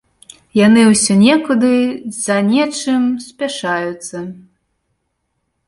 Яны ўсе некуды за нечым спяшаюцца.